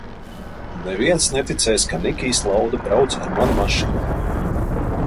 Neviens neticēs, ka Nikijs Lauda brauca ar manu mašīnu!